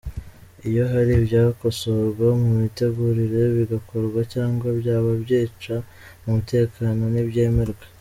Iyo hari ibyakosorwa mu mitegurire bigakorwa cyangwa byaba byica umutekano ntibyemerwe.